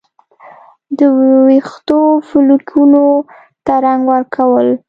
د ویښتو فولیکونو ته رنګ ورکول